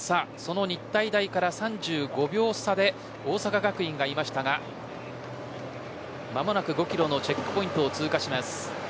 日体大から３５秒差で大阪学院がいましたが間もなく５キロのチェックポイントを通過します。